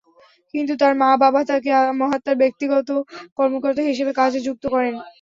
কিন্তু তাঁর মা-বাবা তাঁকে মহাত্মার ব্যক্তিগত কর্মকর্তা হিসেবে কাজে যুক্ত করেন।